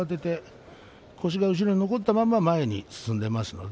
腰が後ろに残ったまま前に進んでいます。